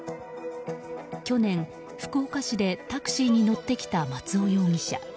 去年、福岡市でタクシーに乗ってきた松尾容疑者。